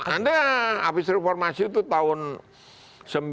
anda abis reformasi itu tahun sembilan puluh sembilan tahun dua ribu